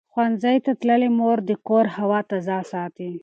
ښوونځې تللې مور د کور هوا تازه ساتي.